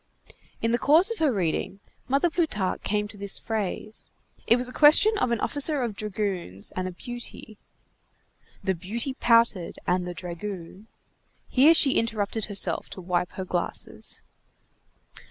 In the course of her reading, Mother Plutarque came to this phrase. It was a question of an officer of dragoons and a beauty:— "—The beauty pouted, and the dragoon—" Here she interrupted herself to wipe her glasses.